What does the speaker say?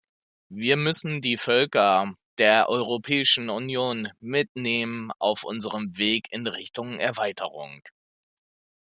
Wir müssen die Völker der Europäischen Union mitnehmen auf unseren Weg in Richtung Erweiterung.